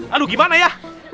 aduh gimana ya